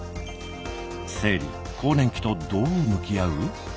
生理・更年期とどう向き合う？